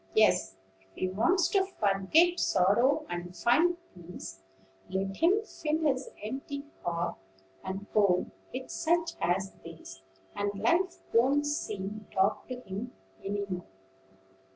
Yes: if he wants to forget sorrow and find peace, let him fill his empty heart and home with such as these, and life won't seem dark to him any more."